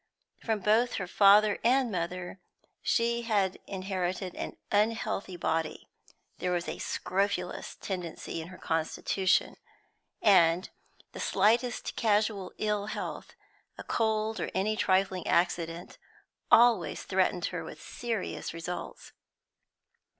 From both father and mother she had inherited an unhealthy body; there was a scrofulous tendency in her constitution, and the slightest casual ill health, a cold or any trifling accident, always threatened her with serious results.